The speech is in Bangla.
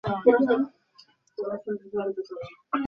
মনকে বাহ্য বিষয় হইতে গুটাইয়া অন্তর্মুখী করিতে হইবে।